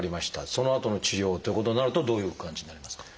そのあとの治療っていうことになるとどういう感じになりますか？